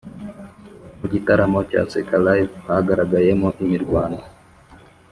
Mugitaramo cya seka live hagaragayemo imirwano